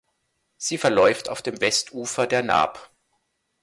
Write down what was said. Sie verläuft auf dem Westufer der Naab.